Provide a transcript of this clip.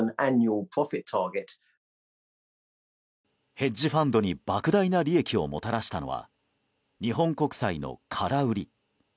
ヘッジファンドに莫大な利益をもたらしたのは日本国債の空売り。